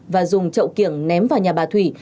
và dùng trậu kiểng ném vào nhà bà thủy